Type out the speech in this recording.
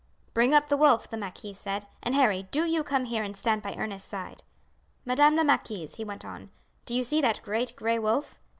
"Bring up the wolf," the marquis said, "and Harry, do you come here and stand by Ernest's side. Madam la marquise," he went on, "do you see that great gray wolf?